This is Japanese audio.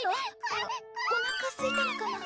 あっおなかすいたのかな？